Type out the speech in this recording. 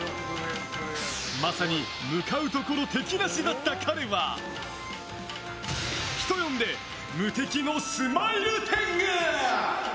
まさに向かうところ敵なしだった彼は人呼んで、無敵のスマイル天狗。